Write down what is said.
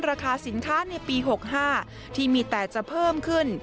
ราคาสินค้าในปี๖๕ที่มีแต่จะเพิ่มขึ้น